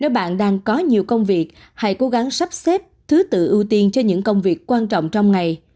nếu bạn đang có nhiều công việc hãy cố gắng sắp xếp thứ tự ưu tiên cho những công việc quan trọng trong ngày